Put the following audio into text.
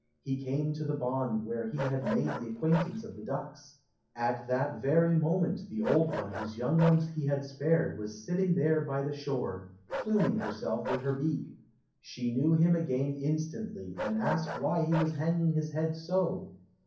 He came to the pond where he had made the acquaintance of the ducks; at that very moment the old one whose young ones he had spared, was sitting there by the shore, pluming herself with her beak. She knew him again instantly, and asked why he was hanging his head so?